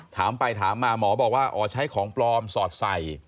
ถามไปถามมาหมอบอกว่าอ๋อใช้ของปลอมสอดใส่